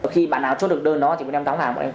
khi bạn nào chốt được đơn đó thì mới đem đóng hàng